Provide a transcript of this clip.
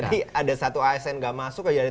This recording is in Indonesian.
berarti ada satu asn gak masuk aja